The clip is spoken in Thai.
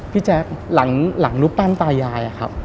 พี่แจ๊กหลังรูปปั้นตายาย